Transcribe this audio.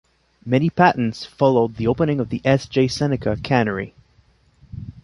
Many patents followed the opening of the S. J. Seneca Cannery.